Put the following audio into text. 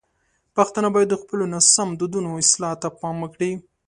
پښتانه باید د خپلو ناسم دودونو اصلاح ته پام وکړي.